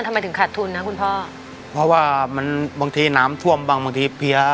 ทำไมถึงขาดทุนนะคุณพ่อเพราะว่ามันบางทีน้ำท่วมบางบางทีเพีย